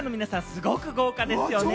すごく豪華だよね。